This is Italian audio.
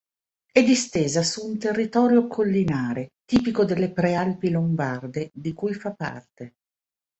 È distesa su un territorio collinare, tipico delle prealpi lombarde di cui fa parte.